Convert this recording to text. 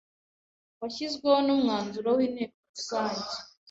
washyizweho n’umwanzuro w’Inteko Rusange